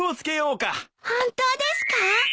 本当ですか！？